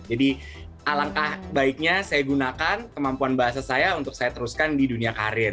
jadi alangkah baiknya saya gunakan kemampuan bahasa saya untuk saya teruskan di dunia karir